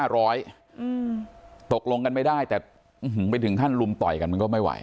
ตกลงกันไม่ได้แต่ไปถึงขั้นลุมต่อยกันมันก็ไม่ไหว